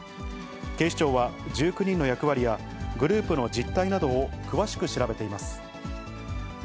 警視庁は、１９人の役割やグループの実態などを詳しく調べています。